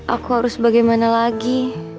aku harus bagaimana lagi